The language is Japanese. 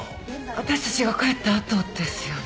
私たちが帰った後ですよね？